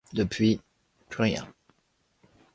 Depuis plus rien.